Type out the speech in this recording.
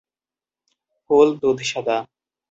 ফুল দুধ-সাদা।